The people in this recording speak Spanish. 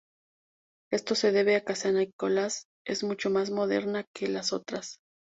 Esto se debe a que San Nicolás es mucho más moderna que las otras.